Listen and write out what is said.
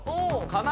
かな